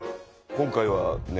今回はね